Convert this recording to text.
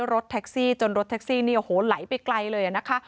รถแท็กซี่จนรถแท็กซี่นี่โอ้โหไหลไปไกลเลยนะคะ